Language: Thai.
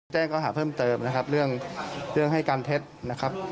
แจ้งข้อหาเพิ่มเติมนะครับเรื่องให้การเท็จนะครับ